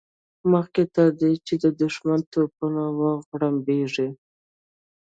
مخکې تر دې چې د دښمن توپونه وغړمبېږي.